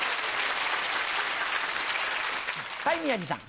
はい宮治さん。